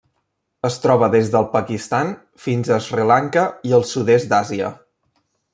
Es troba des del Pakistan fins a Sri Lanka i el sud-est d'Àsia.